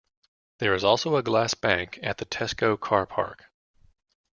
There is also a glass bank at the Tesco car park.